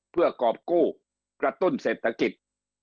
เพื่อกรอบกู้กระตุ้นเศรษฐกิจ